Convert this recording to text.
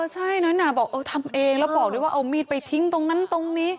ใช่นั้นบอกเออทำเองแล้วบอกด้วยว่าเอามีดไปทิ้งตรงนั้นตรงนี้